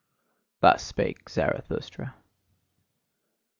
Thus spake Zarathustra.